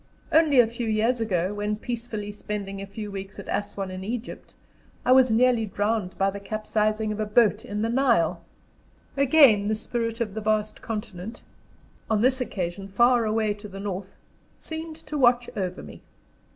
Only a few years ago, when peacefully spending a few weeks at Assouan in Egypt, I was nearly drowned by the capsizing of a boat in the Nile; again the spirit of the vast continent (on this occasion far away to the north) seemed to watch over me.